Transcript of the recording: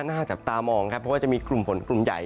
หน้าจับตามองครับเพราะว่าจะมีกลุ่มฝนกลุ่มใหญ่